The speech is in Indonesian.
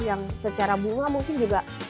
yang secara bunga mungkin juga